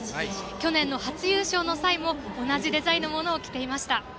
去年の初優勝の際も同じデザインのものを着ていました。